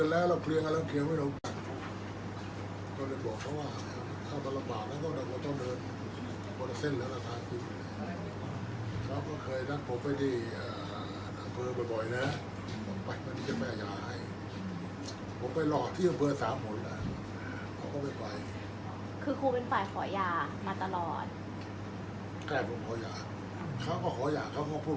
อันไหนที่มันไม่จริงแล้วอาจารย์อยากพูด